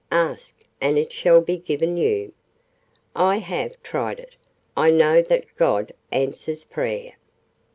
Ask, and it shall be given you. I have tried it. I know that God answers prayer!"